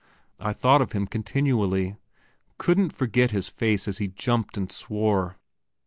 I thought of him continually couldn't forget his face as he jumped and swore.